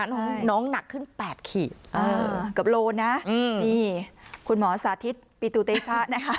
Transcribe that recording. น้องน้องหนักขึ้น๘ขีดเกือบโลนะนี่คุณหมอสาธิตปิตุเตชะนะคะ